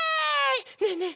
ねえねえ